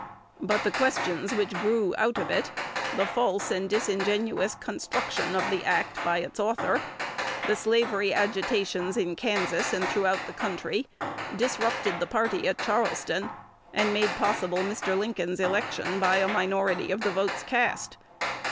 But the questions which grew out of it, the false and disingenuous construction of the act by its author, the slavery agitations in Kansas and throughout the country, disrupted the party at Charleston, and made possible Mr. Lincoln's election by a minority of the votes cast.